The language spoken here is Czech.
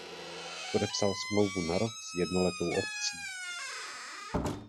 Podepsal smlouvu na rok s jednoletou opcí.